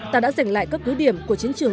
ta đã giành lại các cứ điểm của chiến trường